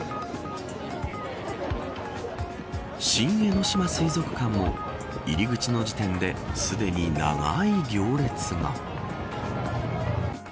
新江ノ島水族館も入り口の時点ですでに長い行列が。